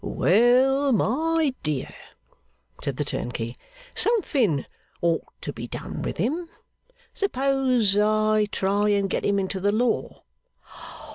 'Well, my dear,' said the turnkey, 'something ought to be done with him. Suppose I try and get him into the law?